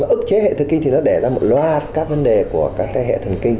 ức chế hệ thần kinh thì nó để ra một loạt các vấn đề của các cái hệ thần kinh